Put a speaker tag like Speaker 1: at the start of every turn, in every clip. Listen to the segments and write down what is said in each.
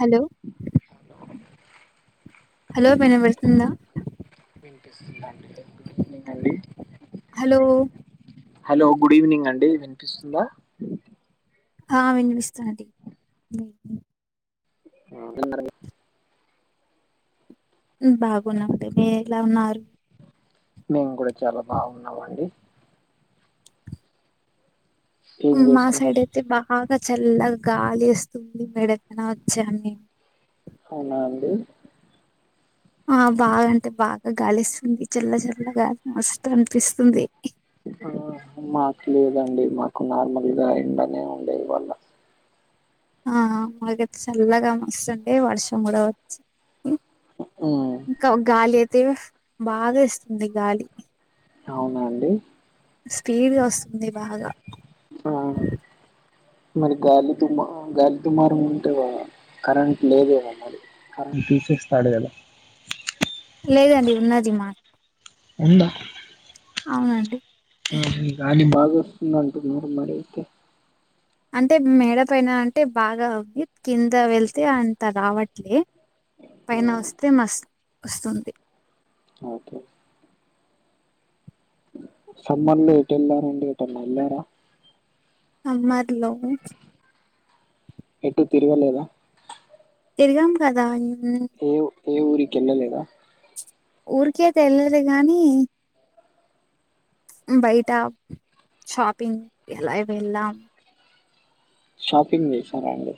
Speaker 1: Hello
Speaker 2: [unintelligible]
Speaker 1: hello మేన వెళ్తుంద
Speaker 2: వినిపిస్తుందండి గుడివినింగ్ అండీ
Speaker 1: హలో
Speaker 2: హలో గుడివినింగ్ అండి వినిపిస్తుంద
Speaker 1: ఆ వినిపిస్తాంది బాగున్నాంది మీరేలా ఉనారు
Speaker 2: మేమ్ గుడా చాలా బాగున్నావండి ఏం
Speaker 1: మా
Speaker 2: చేస్తున్నారు
Speaker 1: సైడైతే బాగా చల్లగా గాలి ఏస్తుంది మెడతన వచ్చాం నే
Speaker 2: ఔనా అండి
Speaker 1: ఆ బాగా అంటే బాగా గాలేస్తుంది చల్ల చల్లగాలి మస్తు అనిపిస్తుంది
Speaker 2: ఆ మాకు లేదండి మాకు నార్మల్గా ఎండనే ఉండే ఇవాల
Speaker 1: ఆ మాకైతె చల్లగా మస్తుండె వర్షం గుడా వచ్చు
Speaker 2: ఉమ్,
Speaker 1: ఇంక ఒ గాలైతే బాగా ఇస్తుంది గాలి
Speaker 2: ఔనాండి
Speaker 1: స్పీడ్గ ఒస్తుంది బాగా
Speaker 2: ఆ మరి గాలి తుమ్మ గాలి తుమారం ఉంటే కరంట్ లేదేమో మరి కరంట్ తేసేస్తాడు గద
Speaker 1: లేదండి ఉన్నది మ
Speaker 2: ఉంద
Speaker 1: ఔనండి
Speaker 2: గాలి బాగా ఒస్తుంది అంటున్నరు మరైతే
Speaker 1: అంటె మేడ పైన అంటే బాగా ఉంది కింద వెళ్తే అంత రావట్లే
Speaker 2: ఆ,
Speaker 1: పైన ఒస్తే మస్ ఒస్తుంది
Speaker 2: ఓకె సమ్మర్ల ఎటు ఎల్లారండి ఎటన్న ఎళ్ళార
Speaker 1: సమ్మర్లో
Speaker 2: ఎటు తిరగలేద
Speaker 1: తిర్గం గదా మ్
Speaker 2: ఏ ఎ ఊరికెళ్లలేద
Speaker 1: ఊరికైతే ఎళ్ళలె గాని బయ్ట షాపింగ్ ఎలా వెళ్ళాం
Speaker 2: షాపింగ్ జేసారండి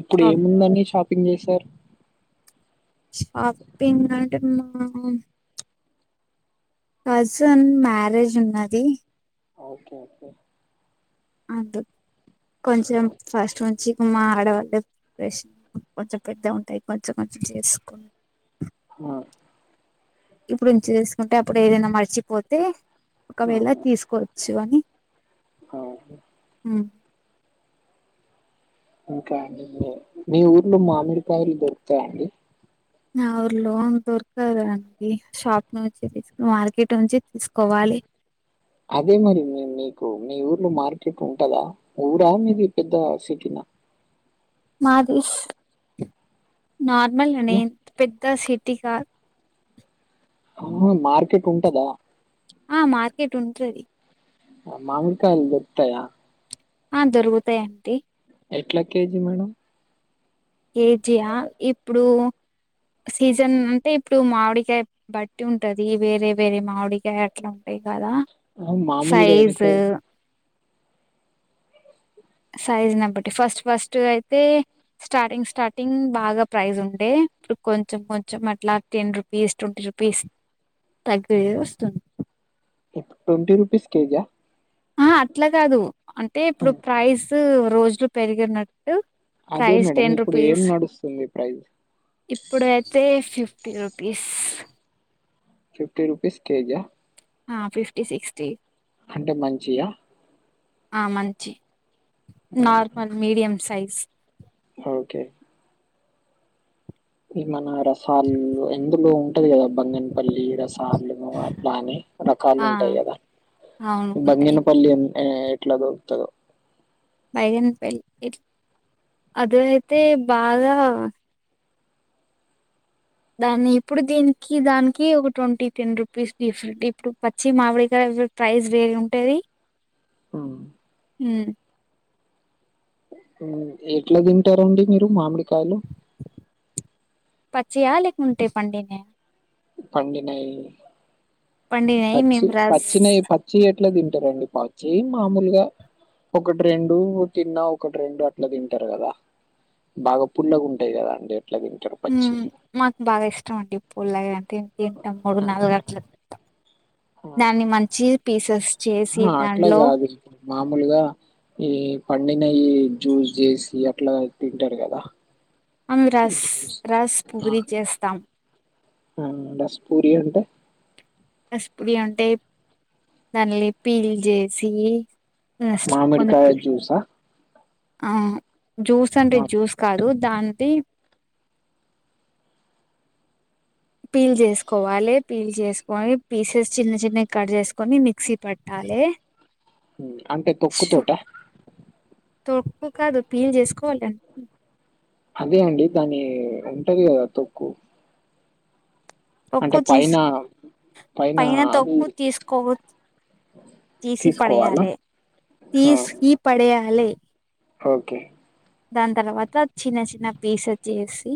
Speaker 2: ఇప్పుడు
Speaker 1: షాప్
Speaker 2: ఏముందండి షాపింగ్ జేశారు
Speaker 1: షాపింగ్ అంటె మ్ కజన్ మ్యారేజ్ ఉన్నది
Speaker 2: ఓకేకె
Speaker 1: అందు కొంచెం ఫాస్ట్ నుంచి మా ఆడవాళ్ళ పేషన్ కొంచెం పెద్ద ఉంటయి కొంచెం కొంచెం చేసుకో
Speaker 2: అ
Speaker 1: ఇప్పుడుంచి తీస్కుంటే అప్పుడు ఏదైనా మర్చిపోతే ఒకవేళ తీస్కోచ్చు అని
Speaker 2: అ
Speaker 1: ఉమ్
Speaker 2: ఇంకా మీ ఊర్లో మామిడికాయలు దొరుకుతయాండి?
Speaker 1: నా ఊర్లో దొరుక్తండి షాప్ నుంచి తీసుకుని మార్కెట్ నుంచి తీసుకోవాలి.
Speaker 2: అదే మరి మీ మీకు మీ ఊర్లో మార్కెట్ ఉంటదా, ఊరా మీది పెద్ద సిటీనా?
Speaker 1: మాదిస్ నార్మల్గనే అంత పెద్ద సిటీ కాదు.
Speaker 2: ఆ మార్కెట్ ఉంటదా?
Speaker 1: ఆ మార్కెట్ ఉంటది.
Speaker 2: మామిడికాయలు దొరుక్తయా?
Speaker 1: ఆ దొరుకుతయండి.
Speaker 2: ఎట్లా కేజీ మేడం?
Speaker 1: కేజియా ఇప్పుడు సీజన్ అంటే ఇప్పుడు మామిడికాయ బట్టి ఉంటది వేరే వేరే మామిడికాయ అట్లా ఉంటయి కదా.
Speaker 2: ఆహా మామూలుగా ఎంత?
Speaker 1: సైజ్ సైజ్ న బట్టి ఫస్ట్ ఫస్ట్ అయితే స్టార్టింగ్ స్టార్టింగ్ బాగా ప్రైస్ ఉండే ఇప్పుడు కొంచెం కొంచెం అట్లా టెన్ రూ పీస్ ట్వంటీ రుపీస్ తగ్గే వస్తుంది.
Speaker 2: ఇప్పు ట్వంటీ రుపీస్ కేజియా?
Speaker 1: ఆహా అట్లా కాదు అంటే ఇప్పుడు ప్రైస్ రోజులు పెరిగినట్టు
Speaker 2: అదే
Speaker 1: ప్రైస్
Speaker 2: మేడం ఇప్పుడు ఏం
Speaker 1: రూపీస్.
Speaker 2: నడుస్తుంది ప్రైజ్.
Speaker 1: ఇప్పుడైతే ఫిఫ్టీ రూపీస్.
Speaker 2: ఫిఫ్టీ రుపీస్ కేజియా?
Speaker 1: ఆ ఫిఫ్టీ సిక్స్టీ
Speaker 2: అంటే మంచియా?
Speaker 1: ఆ మంచియి నార్మల్ మీడియం సైజ్.
Speaker 2: ఓకే ఈ మన రస్ సాల్లు ఇందులో ఉంటది కదా బంగనపల్లి, రసాల్లు అట్లా అని రకాలు
Speaker 1: ఆ!
Speaker 2: ఉంటయి కదా.
Speaker 1: అవును. ఉంటాయి.
Speaker 2: బంగినపల్లి ఎం ఎట్ల దొరుకుతదో.
Speaker 1: బైగన్ పెళ్లి అదయితే బాగా దాన్ని ఇప్పుడు దీనికి దానికి ఒక ట్వంటీ టెన్ రూపీస్ డిఫరెట్ ఇప్పుడు పచ్చి మామిడికాయ చూడు ప్రైస్ వేరే ఉంటది.
Speaker 2: అ
Speaker 1: హ్
Speaker 2: ఎట్ల తింటరండి మీరు మామిడికాయలు?
Speaker 1: పచ్చియా లేకుంటే పండినయా?
Speaker 2: పండినయి
Speaker 1: పండినయి
Speaker 2: పచ్చి
Speaker 1: మేము రస్
Speaker 2: పచ్చినయి ప చ్చియి ఎట్ల తింటరండి పచ్చియి మామూలుగా ఒకటి రెండు తిన్నా ఒకటి రెండు అట్లా తింటరు కదా. బాగా పుల్లగా ఉంటయి కదా అండి ఎట్ల ఇవి.
Speaker 1: మాకు బాగా ఇష్టం అండి పుల్లగా. తి తింటాం మూడు నాలుగు అట్ల తింటం,
Speaker 2: ఆ!
Speaker 1: దాన్ని మంచి పీసెస్ చేసి
Speaker 2: అహా అట్లా
Speaker 1: దాన్లో
Speaker 2: కాదు ఇప్పుడు మామూలుగా ఈ పండినయి జ్యూస్ చేసి అట్లా తింటరు కదా.
Speaker 1: అవి రస్
Speaker 2: జ్యూస్
Speaker 1: రస్ పూరి చేస్తాం.
Speaker 2: ఆ రస్ పూరి అంట
Speaker 1: రసుపురి అంటె దానిలి పీల్ చేసి అస్ట్ వంద
Speaker 2: మామిడికాయ
Speaker 1: పురి
Speaker 2: జ్యూసా
Speaker 1: ఆ జ్యూస్ అంటే
Speaker 2: మా
Speaker 1: జ్యూస్ కాదు దాంటి పీల్ జేసుకోవాలే, పీల్ జెసుకొని పీసెస్ చిన్న చిన్నయ్ కట్ చేసుకొని, మిక్సీ పెట్టాలె.
Speaker 2: అంటే తొక్కు తోట
Speaker 1: తొక్కు కాదు పీల్ చేసుకోవాల
Speaker 2: అదే అండి దాని ఉంటది కదా తొక్కు అంటే
Speaker 1: తొక్కు తీసి
Speaker 2: పైన
Speaker 1: పైన తక్కు తీసుకోవద్ తీసి
Speaker 2: తీసుకోవాలా
Speaker 1: పడేయాలె,
Speaker 2: ఆ
Speaker 1: తీసి పడేయాలె
Speaker 2: ఓకే
Speaker 1: దాని తర్వాత చిన్న చిన్న పీసెస్ చేసి,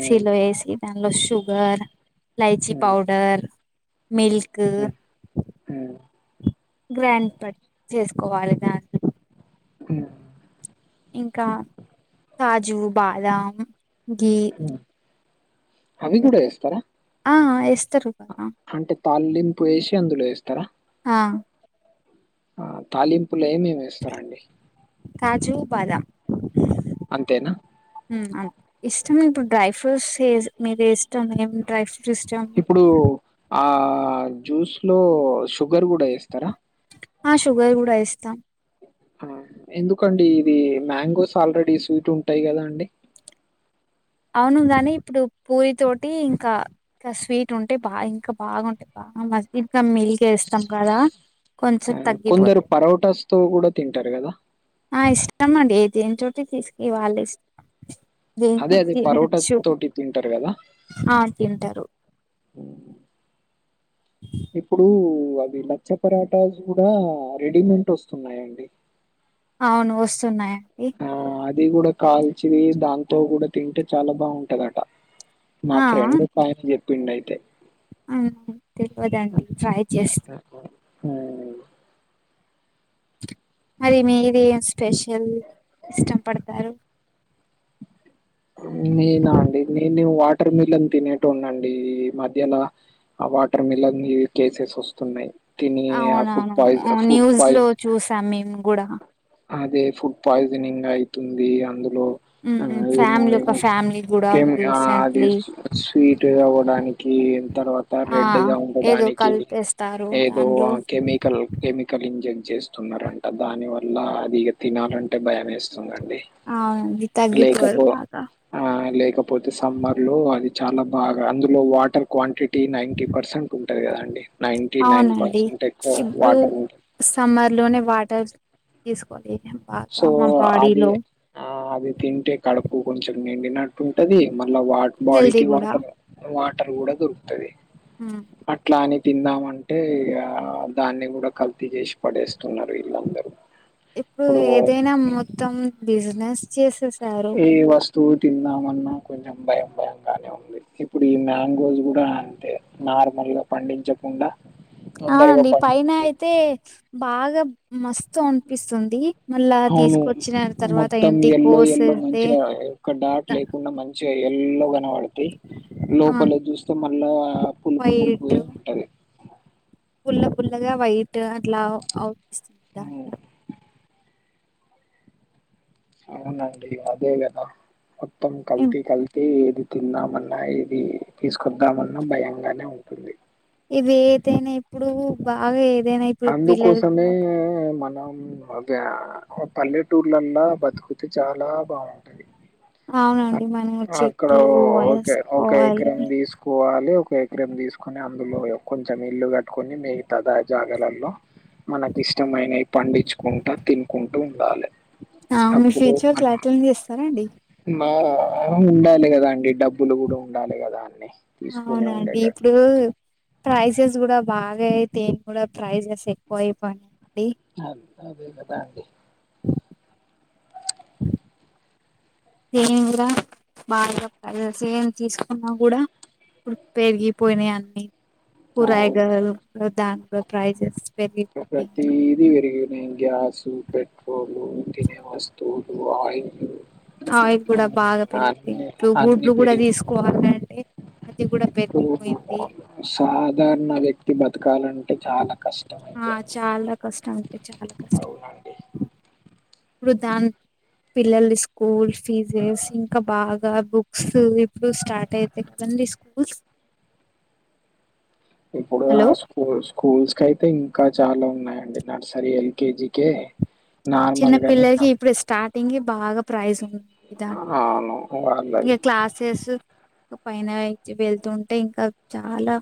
Speaker 2: ఉమ్
Speaker 1: ఏసి దానిలో షూ గర్, ఇలాయచి
Speaker 2: ఉమ్
Speaker 1: పౌడర్, మల్క్
Speaker 2: ఉమ్ ఉమ్
Speaker 1: గ్రాండ్ పట్ చేసుకోవాలి దాంట్ల
Speaker 2: హ
Speaker 1: ఇంకా కాజు, బాదం, ఘి
Speaker 2: ఉమ్ అవి గుడా ఏస్తరా?
Speaker 1: ఆ ఏస్తరు కదా.
Speaker 2: అంటే తాలింపు ఏసి అందులో ఏస్తరా?
Speaker 1: ఆ
Speaker 2: ఆ తాలింపుల ఏమేమి ఏస్తరండి?
Speaker 1: కాజు, బాదం
Speaker 2: అంతేనా?
Speaker 1: ఉమ్ అం ఇష్టం ఇప్పుడు డ్రై ఫ్రూట్స్ ఎస్ మీద ఇష్టంఏం డ్రై ఫ్రూట్స్ ఇష్టం.
Speaker 2: ఇప్పుడు ఆ జ్యూస్ లో షుగర్ గుడ ఏస్తారా?
Speaker 1: ఆ షుగర్ గుడ ఏస్తాం
Speaker 2: ఆ ఎందుకండి ఇది, మ్యాంగోస్ ఆల్రెడీ స్వీట్ ఉంటయి కదా అండి.
Speaker 1: అవును గని ఇప్పుడు పూరి తోటి ఇంకా, ఇంకా స్వీట్ ఉంటే బా ఇంకా బాగుంటయ్ మస్జిద్ క మీల్ కేస్తాం కదా, కొంచెం
Speaker 2: ఆ! కొందరు
Speaker 1: తగ్గిపోతుంది.
Speaker 2: పరోటాస్‌తో గూడా తింటారు గదా!
Speaker 1: ఆ ఇష్టం అండి, దేని చోటి తీసుక ఈ వాళ్ళ ఇష్టం, దేని
Speaker 2: అదే అదే పరోటా
Speaker 1: తినచ్చు
Speaker 2: తోటి తింటరు కదా?
Speaker 1: ఆ తింటరు
Speaker 2: ఉమ్ ఇప్పుడు అది లచ్చ పరాటాస్ గుడా రెడీమేంట్ వస్తున్నాయండి.
Speaker 1: అవును వస్తున్నాయండి.
Speaker 2: ఆ అది గుడ కాల్చి దాంతో గుడ తింటే చాలా బాగుంటదట. మా
Speaker 1: ఆ
Speaker 2: ఫ్రెండ్ ఒకాయన చెప్పిండయితే.
Speaker 1: అవున తెలియదండి ట్రై చేస్
Speaker 2: ఆ
Speaker 1: మరి మీది స్పెషల్ ఇష్టం పడతారు?
Speaker 2: నేనా అండి, నేను వాటర్ మిల్లన్ తినేటోన్నండి, ఈ మధ్యల ఆ వాటర్ మిలనీ కేసెస్ వస్తున్నర్, తిని ఆ ఫుడ్
Speaker 1: అవునవును
Speaker 2: పాయి ఫుడ్
Speaker 1: న్యూస్ లో
Speaker 2: పాయిజ
Speaker 1: చూసాం మేం గుడ.
Speaker 2: అదే ఫుడ్ పాయిజనింగ్ అవుతుంది అందులో ఆ
Speaker 1: హ్మ్
Speaker 2: ఏమో
Speaker 1: ఫ్యామిలీ ఒక
Speaker 2: ఏమో
Speaker 1: ఫ్యామిలీ కూడా
Speaker 2: కెం ఆ అది
Speaker 1: రీసెంట్లీ
Speaker 2: స్వీట్ అవ్వడానికి కీం తర్వాత
Speaker 1: ఆ
Speaker 2: రెడ్ గా
Speaker 1: ఏదో
Speaker 2: ఉండడానికి
Speaker 1: కలిపేస్తారు
Speaker 2: ఏదో
Speaker 1: దాంట్లో
Speaker 2: ఆ కెమికల్ కెమికల్ ఇంజెక్ట్ చేస్తున్నారంట దాని వల్ల అది ఇగ తినాలంటే భయం వేస్తుందండి
Speaker 1: అవునండి తగ్గిపోర్ బాగా
Speaker 2: ఆ లేకపోతే సమ్మర్ లో అది చాలా బాగా అందులో వాటర్ క్వాంటిటీ నైన్టీ పర్సెంట్ ఉంటుంది కదాండి నైన్టీ నైన్
Speaker 1: అవునండి
Speaker 2: పర్సెంట్ ఎక్కువ
Speaker 1: ఇప్పుడు
Speaker 2: వాటర్ ఉంటుంది
Speaker 1: సమ్మర్ లోనే వాటర్ తీసుకోవాలి బాగా
Speaker 2: సో,
Speaker 1: మా
Speaker 2: అది
Speaker 1: బాడీలో
Speaker 2: ఆ అది తింటే కడుపు కొంచెం నిండినట్టు ఉంటది మళ్ళా వాట్
Speaker 1: హెల్దీ
Speaker 2: బాడీకి
Speaker 1: కూడా
Speaker 2: వాటర్ వాటర్ కూడా దొరుకుతది
Speaker 1: ఊ
Speaker 2: అట్లా అని తిందామంటే దాన్ని కూడా కల్తీ చేసి పడేస్తున్నారు వీళ్ళందరూ
Speaker 1: ఇప్పుడు ఏదైనా మొత్తం బిజినెస్ చేసే
Speaker 2: ఏ వస్తువు తిందామన్నా కొంచెం భయం భయంగానే ఉంది ఇప్పుడు ఈ మ్యాంగోది కూడా అంతే నార్మల్ గా పండించకుండా తొందరగా
Speaker 1: అవునండి పైన
Speaker 2: పండి
Speaker 1: అయితే బాగా మస్తు అనిపిస్తుంది మళ్ళా
Speaker 2: అవును
Speaker 1: తీసుకొచ్చిన తర్వాత
Speaker 2: మొత్తం
Speaker 1: ఏంటి
Speaker 2: ఎల్లో ఎల్లో
Speaker 1: కోసేస్తే
Speaker 2: మంచిగా ఒక్క డాట్ లేకుండా మంచి చిగ ఎల్లో కనపడతాయి
Speaker 1: ఆ
Speaker 2: లోపలే చూస్తే మళ్ళా పులుపు పులుపు
Speaker 1: వైట్
Speaker 2: ఏ ఉంటది
Speaker 1: పుల్ల పుల్లగా వైట్ అట్లా అవుపిస్తుంద
Speaker 2: ఉమ్,
Speaker 1: దాంట్లో
Speaker 2: అవునండి అదే కదా మొత్తం కల్తీ కల్తీ అయితే ఏది తిందామన్నా ఏది తీసుకొద్దామన్నా భయంగానే ఉంటుంది
Speaker 1: ఇవి ఏదయినా ఇప్పుడు బాగా ఏదైనా ఇప్పుడు పిల్లలు
Speaker 2: నీ మనం అవ్ యా పల్లెటూర్లన్నా బతుకుతే చాలా బాగుంటది
Speaker 1: అవునండి
Speaker 2: అక్
Speaker 1: మనం
Speaker 2: అక్కడ
Speaker 1: చెట్లు
Speaker 2: ఓకే ఓకే
Speaker 1: వేసుకోవాలి
Speaker 2: ఎకరం తీసుకు పోవాలి ఒక ఎకరం తీసుకొని అందులో కొంచెం ఇల్లు కట్టుకొని మిగితదా జాగలలో మనకి ఇష్టమైనవి పండించుకుంట తినుకుంట ఉండాలి
Speaker 1: ఆ మీరు ఫ్యూచుర్ లో అట్లనే చేస్తారండి
Speaker 2: నా ఉండాలి కదా అండి డబ్బులు కూడా ఉండాలి కదా అన్ని తీసుకునే
Speaker 1: అవునండి
Speaker 2: ఉండేటట్టు
Speaker 1: ఇప్పుడు ప్రైజెస్ కూడా బాగా అయితే ఏం కూడా ప్రైజెస్ ఎక్కువ అయిపోనాయి
Speaker 2: అ అదే కతా అండి
Speaker 1: ఏం కూడ బాయిలో కలిసి ఏం తీసుకున్నా కూడా ఇప్ పెరిగిపోయినాయి అన్ని
Speaker 2: అవును.
Speaker 1: కూరగాయలు దాంలో ప్రైజెస్ పెరిగిపోయినయ్
Speaker 2: ఇదీ వెరిగి మేం గ్యాసు పెట్రోలు తినే వస్తువులు ఆయిల్
Speaker 1: ఆయిల్ కూడా బాగా పెరిపోయింది
Speaker 2: అన్ని
Speaker 1: ఇటు
Speaker 2: అన్ని
Speaker 1: గుడ్లు కూడా
Speaker 2: పెరిగిపో
Speaker 1: తీసుకోవాల అంటే అది కూడా
Speaker 2: ఇప్పుడు
Speaker 1: పెరిగిపోయింది
Speaker 2: సాధారణ వ్యక్తి బతకాలంటే చాలా కష్టం
Speaker 1: ఆ
Speaker 2: అయిపోయింది
Speaker 1: చాలా కష్టం అంతే చాలా కష్టం
Speaker 2: అవునండి
Speaker 1: ఇప్పుడు దాన్ పిల్లల స్కూల్ ఫీజెస్ ఇంకా బాగా బుక్స్ ఇప్పుడు స్టార్ట్ అయితే ఎట్లన తీస్ కు
Speaker 2: ఇప్పుడు ఆ స్కూల్ స్కూల్స్ కయితే ఇంకా చాలా ఉన్నాయండి నర్సరీ ఎల్కేజీ కె
Speaker 1: చిన్న పిల్లలకి ఇప్పుడు స్టార్టింగె బాగా ప్రైజ్ లు ఇద
Speaker 2: అవును
Speaker 1: ఇగ
Speaker 2: వాళ్ళది
Speaker 1: క్లాసేసు పైన అయి వెళ్తుంటే ఇంకా చాలా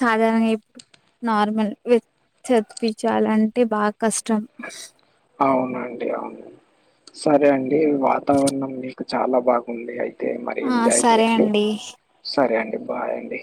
Speaker 1: సాధారణంగా ఇప్ నార్మల్ చదిపించాలంటే బాగా కష్టం
Speaker 2: అవునండి అవును సరే అండి వాతావరణం మీకు చాలా బాగుంది అయి తే మరి
Speaker 1: ఆ
Speaker 2: ఎంజాయ్
Speaker 1: సరే
Speaker 2: చేయండి
Speaker 1: అండి
Speaker 2: సరే అండి బాయ్ అండి